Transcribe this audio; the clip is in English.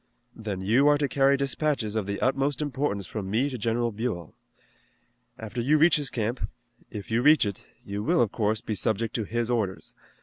"Then you are to carry dispatches of the utmost importance from me to General Buell. After you reach his camp if you reach it you will, of course, be subject to his orders.